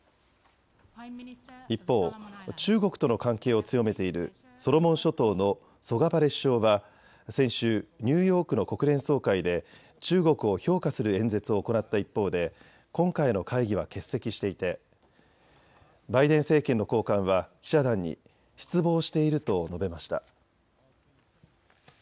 一方、中国との関係を強めているソロモン諸島のソガバレ首相は先週、ニューヨークの国連総会で中国を評価する演説を行った一方で今回の会議は欠席していてバイデン政権の高官は記者団に失望していると述べました。